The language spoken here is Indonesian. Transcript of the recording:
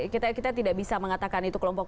kita tidak bisa mengatakan itu kelompok